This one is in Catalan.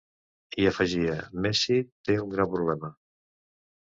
I afegia:: Messi té un gran problema.